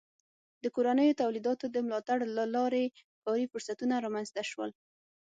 د کورنیو تولیداتو د ملاتړ له لارې کاري فرصتونه رامنځته سول.